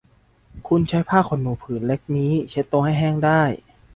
คุณใช้ผ้าขนหนูผืนเล็กนี้เช็ดตัวให้แห้งได้